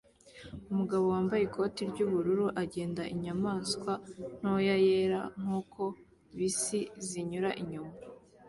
Umugabo wambaye ikote ry'ubururu agenda inyamaswa ntoya yera nkuko bisi zinyura inyuma